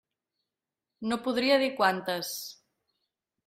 No podria dir quantes.